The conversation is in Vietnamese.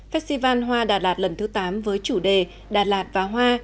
festival hoa đà lạt lần thứ tám với chủ đề đà lạt và hoa